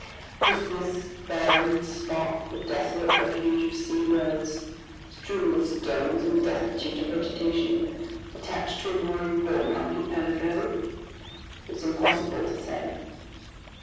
Was this barren spot the desolate refuge of sea birds, strewn with stones and destitute of vegetation, attached to a more important archipelago? It was impossible to say.